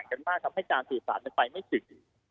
กันมากแล้วทำให้การสื่อสารไม่ถึก